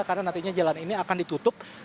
karena nantinya jalan ini akan ditutup